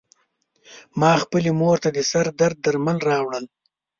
ما خپلې مور ته د سر درد درمل راوړل .